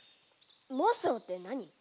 モンストロって何？